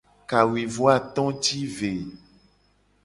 Kawuivoato ti ve.